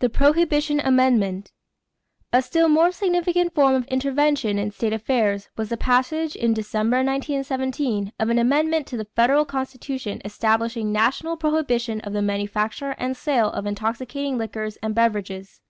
=The Prohibition Amendment.= A still more significant form of intervention in state affairs was the passage, in December, 1917, of an amendment to the federal Constitution establishing national prohibition of the manufacture and sale of intoxicating liquors as beverages.